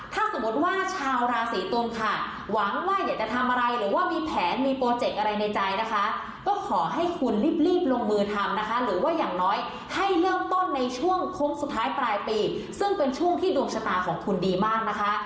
ถ้าสมมติว่าชาวราศีตุงค่ะหวังว่าอยากจะทำอะไรหรือว่ามีแผนมีโปรเจกต์อะไรในใจนะคะก็ขอให้คุณรีบรีบลงมือทำนะคะหรือว่าอย่างน้อยให้เริ่มต้นในช่วงโค้งสุดท้ายปลายปีซึ่งเป็นช่วงที่ดวงชะตาของคุณดีมากนะคะ